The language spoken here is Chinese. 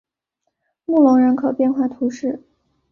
穆龙人口变化图示